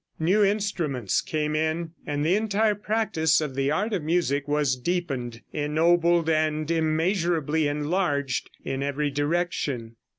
New instruments came in, and the entire practice of the art of music was deepened, ennobled and immeasurably enlarged in every direction.